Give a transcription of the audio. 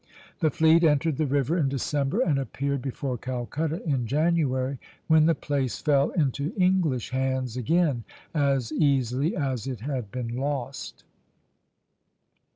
The fleet entered the river in December and appeared before Calcutta in January, when the place fell into English hands again as easily as it had been lost.